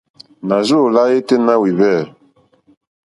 Nà rzô lá yêténá wìhwɛ̂.